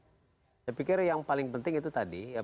saya pikir yang paling penting itu tadi